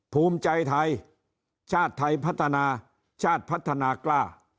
ภูมิใจไทยชาติไทยพัฒนาชาติพัฒนากล้า